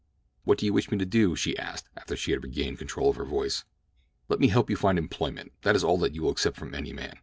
"What do you wish me to do?" she asked after she had regained control of her voice. "Let me help you find employment—that is all that you may accept from any man.